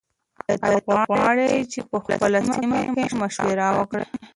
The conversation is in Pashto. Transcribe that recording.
ایا ته غواړې په خپله سیمه کې مشاعره وکړې؟